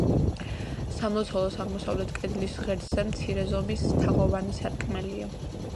სამლოცველოს აღმოსავლეთ კედლის ღერძზე მცირე ზომის თაღოვანი სარკმელია.